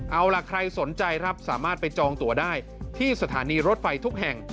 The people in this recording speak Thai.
เอาล่ะใครสนใจครับสามารถไปจองตัวได้ที่สถานีรถไฟทุกแห่ง